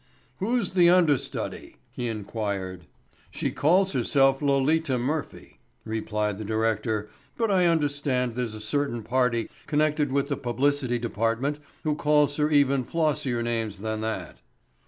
"Who's the understudy?" he inquired. "She calls herself Lolita Murphy," replied the director, "but I understand there's a certain party connected with the publicity department who calls her even flossier names than that."